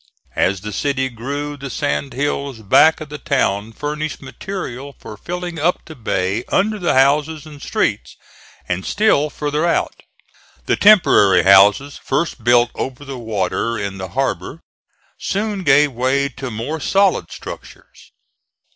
As the city grew, the sand hills back of the town furnished material for filling up the bay under the houses and streets, and still further out. The temporary houses, first built over the water in the harbor, soon gave way to more solid structures.